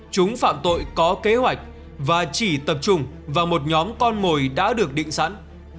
chúng phạm tội có kế hoạch và chỉ tập trung vào một nhóm con mồi đã được định sẵn